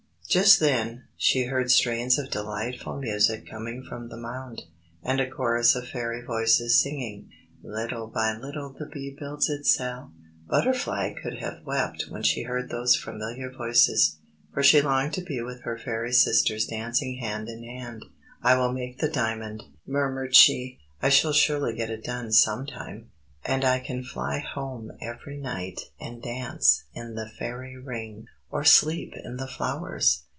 Just then she heard strains of delightful music coming from the mound, and a chorus of Fairy voices singing: "Little by little the bee builds its cell!" Butterfly could have wept when she heard those familiar voices, for she longed to be with her Fairy sisters dancing hand in hand. "I will make the diamond," murmured she. "I shall surely get it done sometime! And I can fly home every night and dance in the Fairy Ring, or sleep in the flowers!"